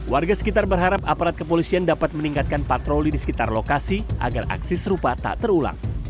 warga sekitar berharap aparat kepolisian dapat meningkatkan patroli di sekitar lokasi agar aksi serupa tak terulang